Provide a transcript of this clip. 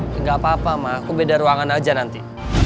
gak apa apa ma aku beda ruangan aja nanti